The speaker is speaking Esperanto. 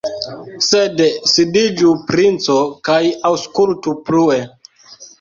Sed sidiĝu, princo, kaj aŭskultu plue!